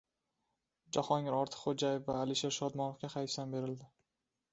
Jahongir Ortiqxo‘jayev va Alisher Shodmonovga hayfsan berildi